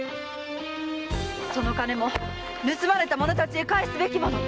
その金も盗まれた者たちへ返すべきもの！